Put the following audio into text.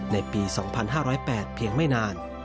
ในปี๒๕๐๘เพียงไม่นาน